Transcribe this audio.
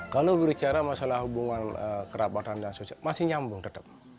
kalau berbicara masalah hubungan kerabatan dan sosial masih nyambung tetap